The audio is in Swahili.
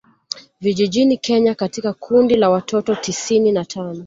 Vijijini Kenya katika kundi la watoto tisini na tano